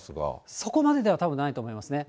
そこまでではたぶんないと思いますね。